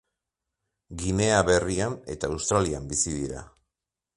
Ginea Berrian eta Australian bizi dira.